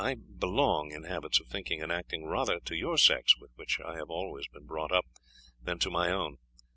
I belong, in habits of thinking and acting, rather to your sex, with which I have always been brought up, than to my own.